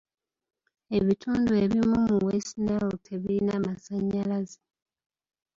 Ebitundu ebimu mu West Nile tebirina masannyalaze.